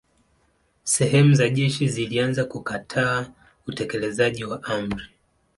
Sehemu za jeshi zilianza kukataa utekelezaji wa amri.